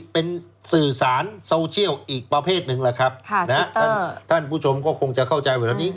เป็นสื่อสารโซเชียลอีกประเภทหนึ่งแหละครับท่านผู้ชมก็คงจะเข้าใจเวลานี้